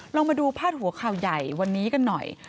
เรามาดูพาดหัวข่าวใหญ่วันนี้กันหน่อย